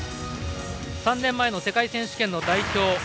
３年前の世界選手権の代表。